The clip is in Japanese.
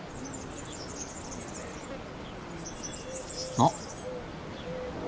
あっ。